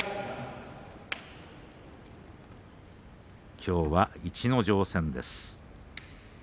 きょうは逸ノ城戦です。